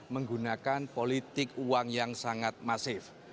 menggunakan politik uang yang sangat masif